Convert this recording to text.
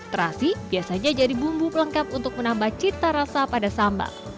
terasi biasanya jadi bumbu pelengkap untuk menambah cita rasa pada sambal